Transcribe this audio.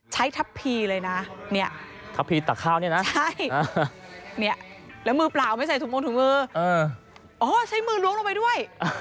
ใช้มือล้วงลงไปด้วย